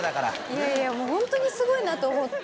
いやいやもうホントにすごいなと思って。